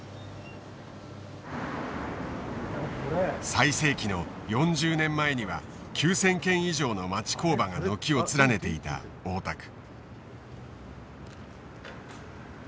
最盛期の４０年前には９，０００軒以上の町工場が軒を連ねていた大田区。